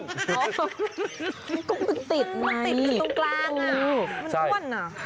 มันก็มันติดไหมมันติดในตรงกลางมันอ้วน